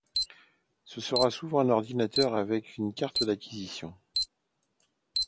Ce sera souvent un ordinateur avec une carte d'acquisition.